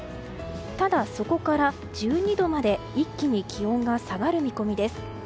ただ、そこから１２度まで一気に気温が下がる見込みです。